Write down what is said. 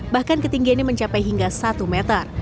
bahkan ketinggiannya mencapai hingga satu meter